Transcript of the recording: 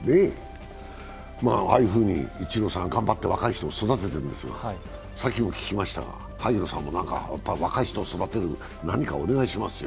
ああいうふうにイチローさん、頑張って若い人を育てているわけですからさっきも聞きましたが、萩野さんも若い人を育てる何かお願いしますよ。